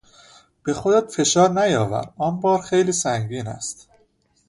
به خودت فشار نیاور، آن بار خیلی سنگین است.